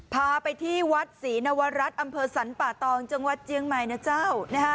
พาไปที่วัดศรีนวรัฐอำเภอสรรป่าตองจังหวัดเจียงใหม่นะเจ้านะฮะ